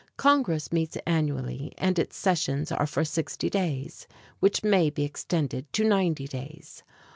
Congress meets annually and its sessions are for sixty days, which may be extended to ninety days.